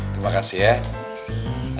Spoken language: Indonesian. terima kasih ya